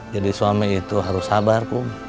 jadi suami itu harus sabar